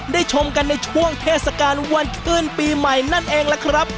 ชมกันในช่วงเทศกาลวันขึ้นปีใหม่นั่นเองล่ะครับ